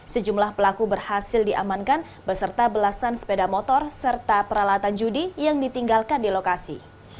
sejumlah pelaku berhasil diamankan beserta belasan sepeda motor serta peralatan judi yang ditinggalkan di lokasi